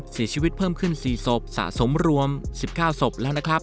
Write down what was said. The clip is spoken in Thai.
สีชีวิตเพิ่มขึ้นสี่ศพสะสมรวมสิบเก้าศพแล้วนะครับ